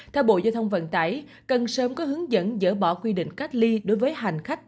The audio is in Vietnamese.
theo bộ giao thông vận tải cần sớm có hướng dẫn dỡ bỏ quy định cách ly đối với hành khách